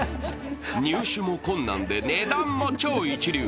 入手も困難で値段も超一流。